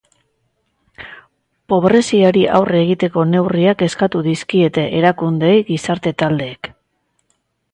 Pobreziari aurre egiteko neurriak eskatu dizkiete erakundeei gizarte taldeek.